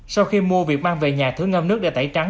sau khi mua việc mang về nhà thử ngâm nước để tẩy trắng